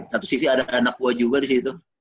satu sisi ada anak gue juga disitu